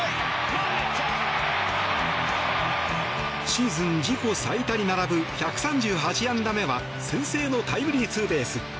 シーズン自己最多に並ぶ１３８安打目は先制のタイムリーツーベース。